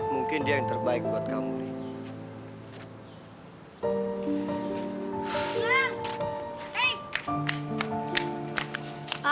mungkin dia yang terbaik buat kamu